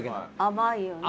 甘いよね。